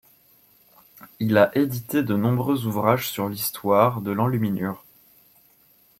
Il a édité de nombreux ouvrages sur l'histoire de l'enluminure.